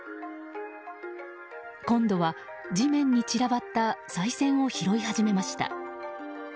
今度は地面に散らばったさい銭を拾い始めました。